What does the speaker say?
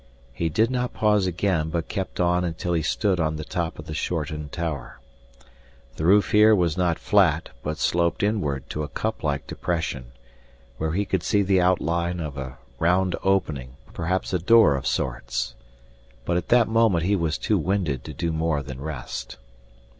He did not pause again but kept on until he stood on the top of the shortened tower. The roof here was not flat but sloped inward to a cuplike depression, where he could see the outline of a round opening, perhaps a door of sorts. But at that moment he was too winded to do more than rest.